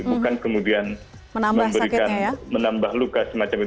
bukan kemudian memberikan menambah luka semacam itu